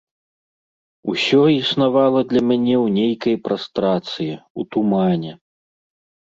Усё існавала для мяне ў нейкай прастрацыі, у тумане.